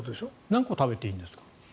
何個食べていいんですか？